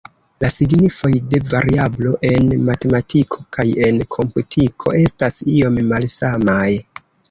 La signifoj de variablo en matematiko kaj en komputiko estas iom malsamaj.